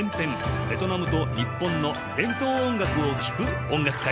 ベトナムと日本の伝統音楽を聴く音楽会」